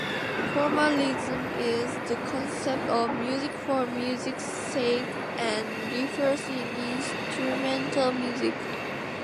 'Formalism' is the concept of 'music for music's sake' and refers to instrumental music.